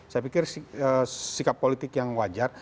saya pikir sikap politik yang wajar